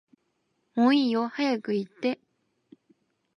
もういいよって早く言って